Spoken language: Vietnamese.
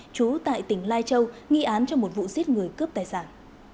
chú tại tỉnh lai châu nghi án trong một vụ giết người cướp tài sản